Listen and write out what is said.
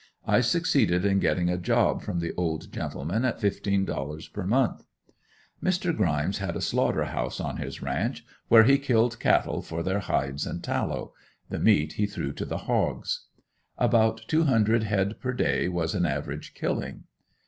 I succeeded in getting a job from the old gentleman at fifteen dollars per month. Mr. Grimes had a slaughter house on his ranch where he killed cattle for their hides and tallow the meat he threw to the hogs. About two hundred head per day was an average killing.